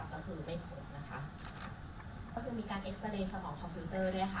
ก็คือเบนต์หกนะคะก็คือมีการเอสเรย์สป๊อกคอมพิวเตอร์ด้วยนะคะ